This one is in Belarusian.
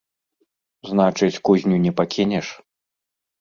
Значыць, кузню не пакінеш?